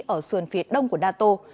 ở sườn phía đông của nato